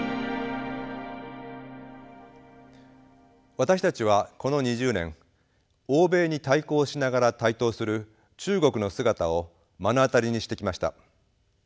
私たちはこの２０年欧米に対抗しながら台頭する中国の姿を目の当たりにしてきました。